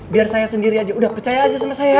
biar saya sendiri aja udah percaya aja sama saya